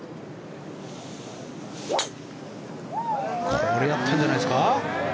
これはやったんじゃないですか？